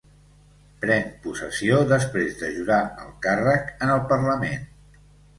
Pren possessió després de jurar el càrrec en el Parlament.